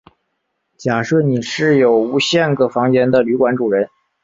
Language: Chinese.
假设你是有无限个房间的旅馆主人。